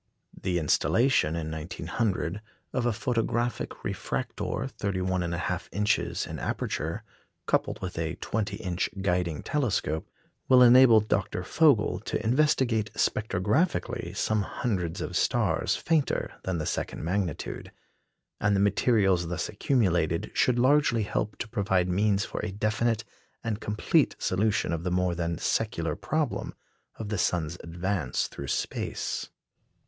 The installation, in 1900, of a photographic refractor 31 1/2 inches in aperture, coupled with a 20 inch guiding telescope, will enable Dr. Vogel to investigate spectrographically some hundreds of stars fainter than the second magnitude; and the materials thus accumulated should largely help to provide means for a definite and complete solution of the more than secular problem of the sun's advance through space.